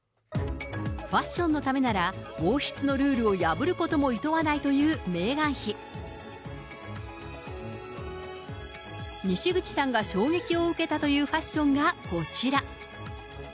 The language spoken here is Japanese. ファッションのためなら王室のルールを破ることもいとわないというメーガン妃。にしぐちさんが衝撃を受けたというファッションがこちら。